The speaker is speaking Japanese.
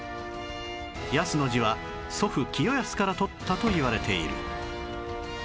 「康」の字は祖父清康から取ったといわれている